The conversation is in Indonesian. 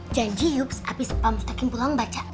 janji yups abis pak mustaqim pulang baca